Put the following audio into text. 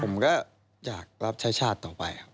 ผมก็อยากรับใช่ชาติต่อไป